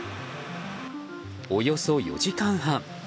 およそ４時間半。